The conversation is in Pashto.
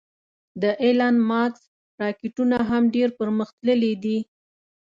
د ایلان ماسک راکټونه هم ډېر پرمختللې دې